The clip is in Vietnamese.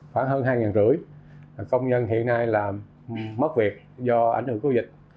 khoảng hơn hai năm trăm linh công nhân hiện nay mất việc do ảnh hưởng của dịch